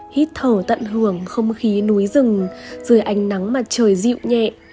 hít thở tận hưởng không khí núi rừng dưới ánh nắng mặt trời dịu nhẹ